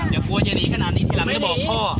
อย่ากลัวจะดีขนาดนี้แที่เราไม่ได้บอกพ่อ